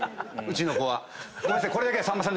うちの子は。